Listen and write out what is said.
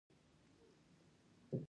ـ د پردي زوى نه، خپله لور ښه ده.